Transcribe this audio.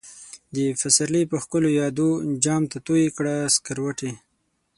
دپسرلی په ښکلو يادو، جام ته تويې کړه سکروټی